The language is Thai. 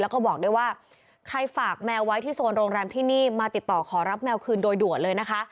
แล้วก็บอกด้วยว่าใครฝากแมวไว้ที่โซนโรงแรมที่นี่มาติดต่อขอรับแมวคืนโดยด่วนเลยนะคะ